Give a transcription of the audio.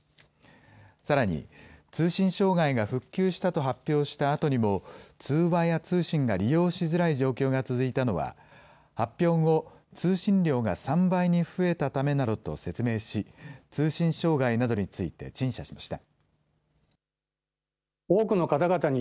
さらに通信障害が復旧したと発表したあとにも通話や通信が利用しづらい状況が続いたのは発表後、通信量が３倍に増えたためなどと説明し通信障害などについて陳謝しました。